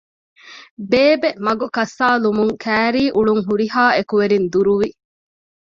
ބޭބެ މަގު ކައްސައިލުމުން ކައިރީ އުޅުން ހުރިހާ އެކުވެރިން ދުރުވި